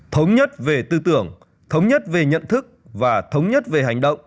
thống nhất về tư tưởng thống nhất về nhận thức và thống nhất về hành động